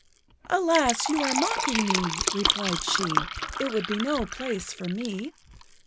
"Alas, you are mocking me!" replied she. "It would be no place for me!"